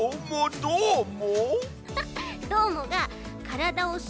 どーも！